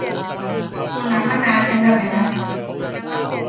Junama naateka beja.